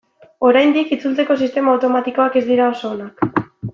Oraindik itzultzeko sistema automatikoak ez dira oso onak.